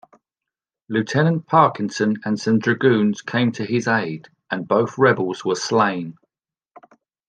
Lieutenant Parkinson and some dragoons came to his aid and both rebels were slain.